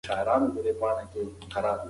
پوهانو ویلي چې ټولنپوهنه د کشف علم دی.